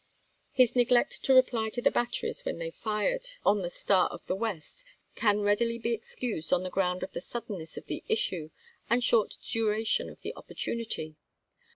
His neg lect to reply to the batteries when they fired on the Star of the West can readily be excused on the ground of the suddenness of the issue and short duration of the opportunity.